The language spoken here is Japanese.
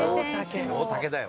大竹だよ！